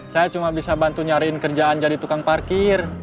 saya cuma bisa bantu nyariin kerjaan jadi tukang parkir